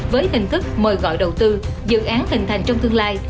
với hình thức mời gọi đầu tư dự án hình thành trong tương lai